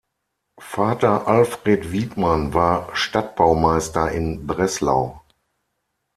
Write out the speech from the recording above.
Vater Alfred Wiedmann war Stadtbaumeister in Breslau.